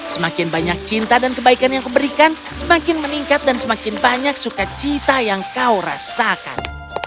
semakin banyak cinta dan kebaikan yang kau berikan semakin meningkat dan semakin banyak sukacita yang kau rasakan